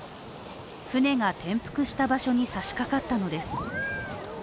舟が転覆した場所にさしかかったのです。